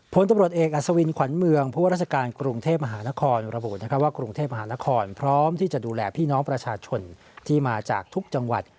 ผลตำรวจเอกอัศวินขวัญเมืองผู้ว่าราชการกรุงเทพมหานครระบุว่ากรุงเทพมหานครพร้อมที่จะดูแลพี่น้องประชาชนที่มาจากทุกจังหวัด